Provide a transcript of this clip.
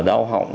rồi đau họng